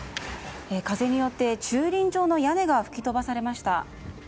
風によって駐輪場の屋根が吹き飛ばされました。